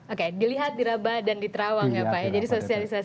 oke dilihat di rabah dan di terawang ya pak